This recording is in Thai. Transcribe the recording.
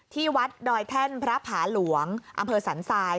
ที่วัดดอยแท่นพระผาหลวงอำเภอสันทราย